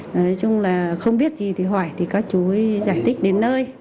nói chung là không biết gì thì hỏi thì các chú giải thích đến nơi